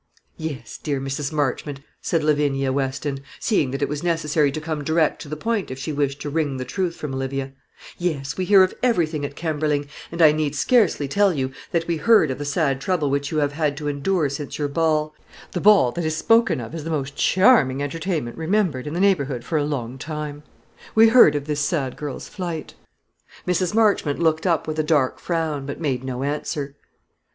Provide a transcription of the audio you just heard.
"Yes, dear Mrs. Marchmont," said Lavinia Weston, seeing that it was necessary to come direct to the point if she wished to wring the truth from Olivia; "yes, we hear of everything at Kemberling; and I need scarcely tell you, that we heard of the sad trouble which you have had to endure since your ball the ball that is spoken of as the most chy arming entertainment remembered in the neighbourhood for a long time. We heard of this sad girl's flight." Mrs. Marchmont looked up with a dark frown, but made no answer.